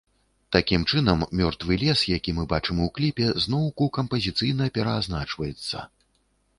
Такім чынам, мёртвы лес, які мы бачым у кліпе, зноўку кампазіцыйна пераазначваецца.